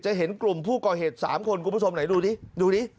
เห็นกลุ่มผู้ก่อเหตุ๓คนคุณผู้ชมไหนดูดิดูดิ